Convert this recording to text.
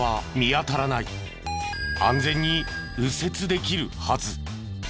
安全に右折できるはず。